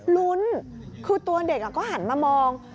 ลุ้นคือตัวเด็กก็หันมามอง